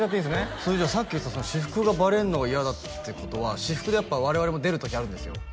それじゃあさっき言った私服がバレんのが嫌だってことは私服でやっぱ我々も出る時あるんですよ